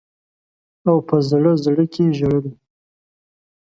او په زړه زړه کي ژړل.